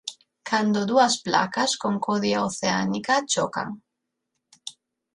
Cando dúas placas con codia oceánica chocan.